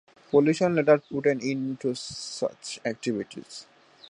Pollution later put an end to such activities.